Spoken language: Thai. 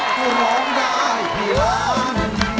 คุณร้องได้ให้ล้าน